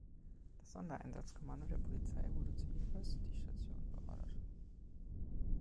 Das Sondereinsatzkommando der Polizei wurde zur University Station beordert.